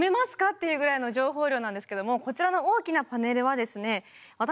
っていうぐらいの情報量なんですけどもこちらの大きなパネルはですねうわ